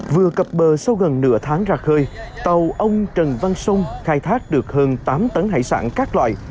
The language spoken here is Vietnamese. vừa cập bờ sau gần nửa tháng ra khơi tàu ông trần văn sung khai thác được hơn tám tấn hải sản các loại